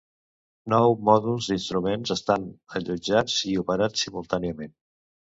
Nou mòduls d'instruments estan allotjats i operats simultàniament.